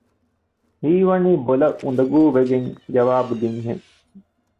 ހީވަނީ ބޮލަށް އުނދަގޫވެގެން ޖަވާބު ދިން ހެން